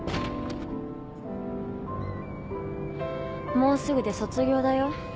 もうすぐで卒業だよ。